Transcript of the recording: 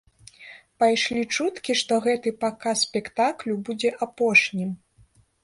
Пайшлі чуткі, што гэты паказ спектаклю будзе апошнім.